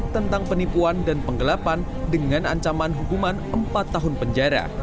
tentang penipuan dan penggelapan dengan ancaman hukuman empat tahun penjara